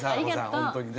本当にね